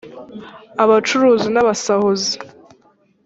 abacuruzi n’abasahuzi